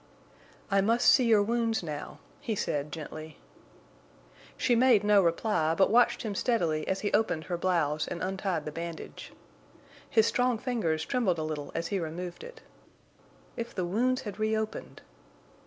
"I must see your wounds now," he said, gently. She made no reply, but watched him steadily as he opened her blouse and untied the bandage. His strong fingers trembled a little as he removed it. If the wounds had reopened!